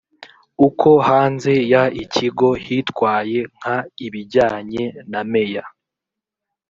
uko hanze y ikigo hitwaye nk ibijyanye na meya